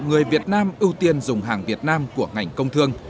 người việt nam ưu tiên dùng hàng việt nam của ngành công thương